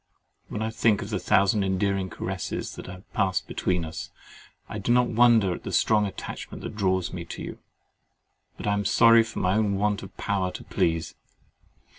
When I think of the thousand endearing caresses that have passed between us, I do not wonder at the strong attachment that draws me to you; but I am sorry for my own want of power to please.